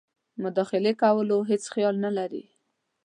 مداخلې کولو هیڅ خیال نه لري.